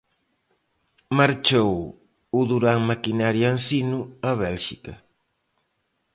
Marchou o Durán Maquinaria Ensino a Bélxica.